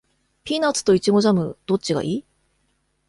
ピーナッツとイチゴジャム、どっちがいい？